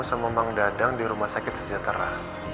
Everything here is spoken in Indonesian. sama mang dadang di rumah sakit sejahtera